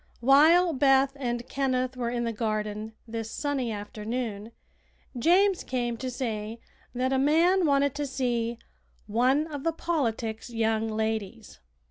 While Beth and Kenneth were in the garden this sunny afternoon James came to say that a man wanted to see "one of the politics young ladies."